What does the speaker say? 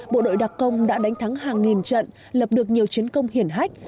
bộ đội đặc công đã đánh thắng hàng nghìn trận lập được nhiều chiến công hiển hách